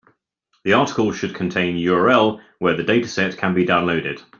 The article should contain URL where the dataset can be downloaded.